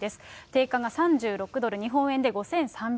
定価が３６ドル、日本円で５３００円。